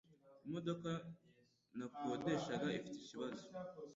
Imodoka nakodeshaga ifite ikibazo